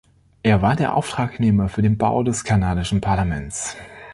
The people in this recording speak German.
Er war der Auftragnehmer für den Bau des kanadischen Parlaments.